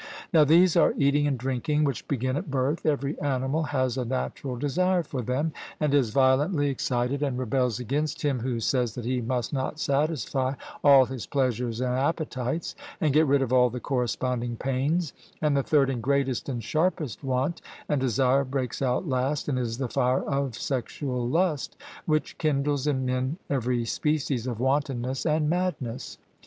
Now these are eating and drinking, which begin at birth every animal has a natural desire for them, and is violently excited, and rebels against him who says that he must not satisfy all his pleasures and appetites, and get rid of all the corresponding pains and the third and greatest and sharpest want and desire breaks out last, and is the fire of sexual lust, which kindles in men every species of wantonness and madness.